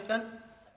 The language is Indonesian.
masih gak ada